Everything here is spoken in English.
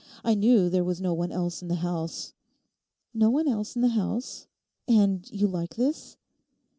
I knew there was no one else in the house—' 'No one else in the house? And you like this?